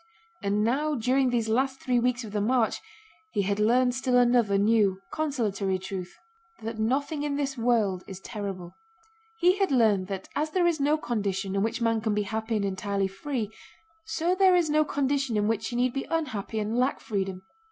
And now during these last three weeks of the march he had learned still another new, consolatory truth—that nothing in this world is terrible. He had learned that as there is no condition in which man can be happy and entirely free, so there is no condition in which he need be unhappy and lack freedom.